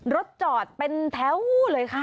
รถจอดเป็นแถวเลยค่ะ